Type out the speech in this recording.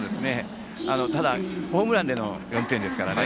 ただ、ホームランでの４点ですからね。